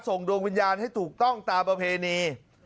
ส่งดวงวิญญาณให้ถูกต้องตามแบบนี้